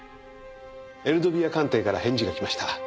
エルドビア官邸から返事がきました。